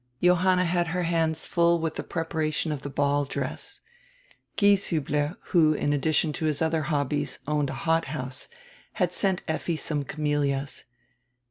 Johanna had her hands full widi die preparation of die ball dress. Gieshiibler, who, in addition to his other hobbies, owned a hothouse, had sent Effi some camelias.